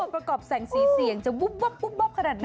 ประกอบแสงสีเสียงจะวุบขนาดไหน